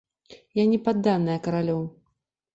Я не падданая каралёў.